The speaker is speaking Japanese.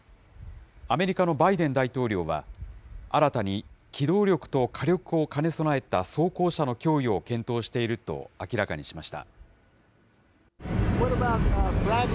アメリカのバイデン大統領は、新たに機動力と火力を兼ね備えた装甲車の供与を検討していると明らかにしました。